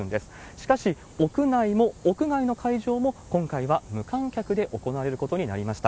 しかし、屋内も屋外の会場も、今回は無観客で行われることになりました。